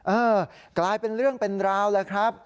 เออกลายเป็นเรื่องเป็นราวเลยครับ